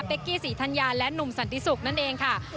เป็กกี้สีทัญญาและหนุ่มสันติสุกนั่นเองค่ะ